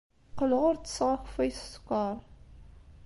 Qqleɣ ur ttesseɣ akeffay s sskeṛ.